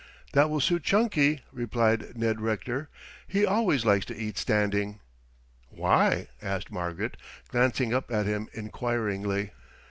"That will suit Chunky," replied Ned Rector. "He always likes to eat standing." "Why?" asked Margaret, glancing up at him inquiringly.